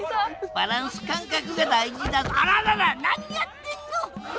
バランス感覚が大事だあららら何やってんの！